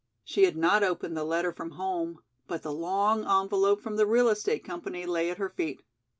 She had not opened the letter from home, but the long envelope from the real estate company lay at her feet.